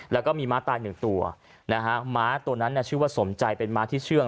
แล้วก็มีม้าตายหนึ่งตัวนะฮะม้าตัวนั้นชื่อว่าสมใจเป็นม้าที่เชื่อง